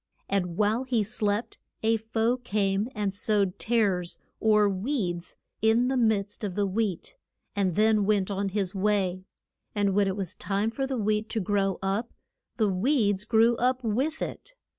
And while he slept a foe came and sowed tares, or weeds, in the midst of the wheat, and then went on his way. And when it was time for the wheat to grow up, the weeds grew up with it.